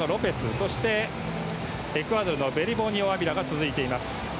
そして、エクアドルのアビラが続いています。